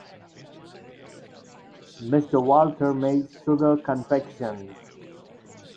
Mr Walther made sugar confections.